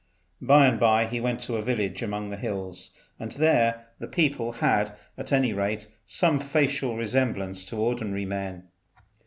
By and by he went to a village among the hills, and there the people had at any rate some facial resemblance to ordinary men.